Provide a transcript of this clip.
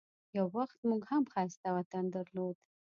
یو وخت موږ هم ښایسته وطن درلود.